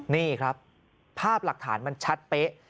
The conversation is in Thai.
นี่ครับภาพหลักฐานมันชัดเป๊ะ